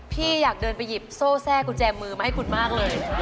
พี่อยากเดินไปหยิบโซ่แทร่กุญแจมือมาให้คุณมากเลย